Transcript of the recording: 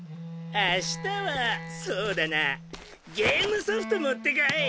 明日はそうだなあゲームソフト持ってこい！